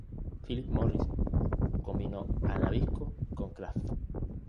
Philip Morris combinó a Nabisco con Kraft.